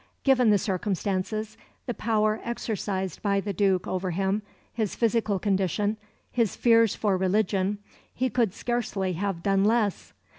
Given the circumstances, the power exercised by the Duke over him, his physical condition, his fears for religion, he could scarcely have done less.